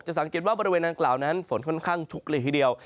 สังเกตว่าบริเวณดังกล่าวนั้นฝนค่อนข้างชุกเลยทีเดียว